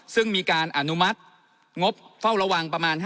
ซึ่งมีการอนุมัติงบเฝ้าระวังเฉิง๕๓ล้านตัว